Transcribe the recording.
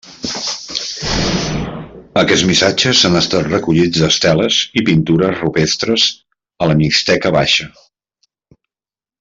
Aquests missatges han estat recollits d'esteles i pintures rupestres a la Mixteca Baixa.